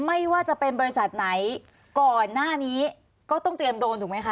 ไม่ว่าจะเป็นบริษัทไหนก่อนหน้านี้ก็ต้องเตรียมโดนถูกไหมคะ